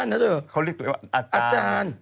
เขาเรียกตัวว่าอาจารย์